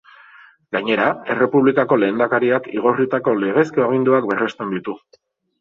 Gainera, Errepublikako Lehendakariak igorritako legezko aginduak berresten ditu.